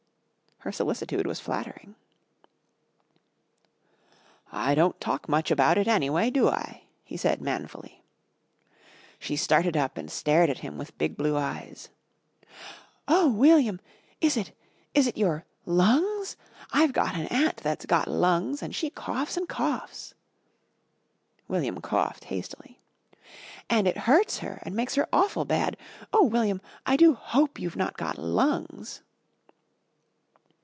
Her solicitude was flattering. "I don't talk much about it, anyway, do I?" he said manfully. She started up and stared at him with big blue eyes. "Oh, William! Is it is it your lungs? I've got an aunt that's got lungs and she coughs and coughs," William coughed hastily, "and it hurts her and makes her awful bad. Oh, William, I do hope you've not got lungs."